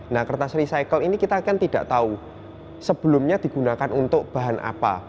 nah kertas recycle ini kita kan tidak tahu sebelumnya digunakan untuk bahan apa